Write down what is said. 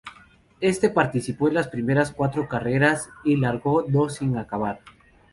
Este participó en las primeras cuatro carreras y largó dos sin acabar.